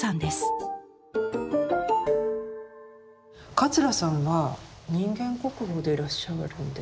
桂さんは人間国宝でいらっしゃるんですよね？